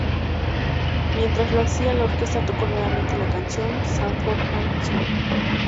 Mientras lo hacía, la orquesta tocó nuevamente la canción "Sanford and Son".